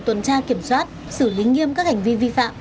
tuần tra kiểm soát xử lý nghiêm các hành vi vi phạm